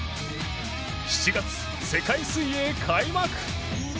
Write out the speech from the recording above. ７月、世界水泳開幕。